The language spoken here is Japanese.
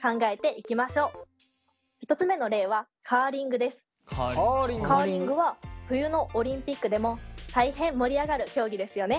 １つ目の例はカーリングは冬のオリンピックでも大変盛り上がる競技ですよね。